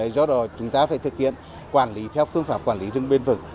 do đó chúng ta phải thực hiện quản lý theo phương pháp quản lý rừng bền vững